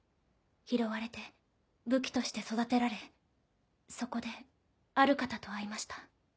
拾われて武器として育てられそこである方と会いました。